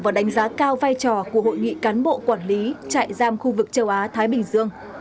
và đánh giá cao vai trò của hội nghị cán bộ quản lý trại giam khu vực châu á thái bình dương